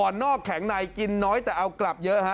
นอกแข็งในกินน้อยแต่เอากลับเยอะฮะ